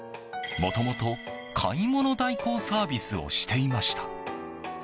もともと、買い物代行サービスをしていました。